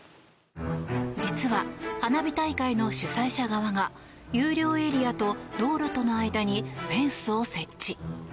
実は花火大会の主催者側が有料エリアと道路との間にフェンスを設置。